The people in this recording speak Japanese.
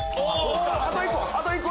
あと１個。